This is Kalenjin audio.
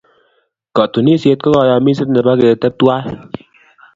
Katunisyet ko kayamiset nebo ketep tuwai.